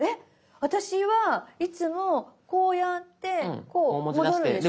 私はいつもこうやってこう。戻るでしょ。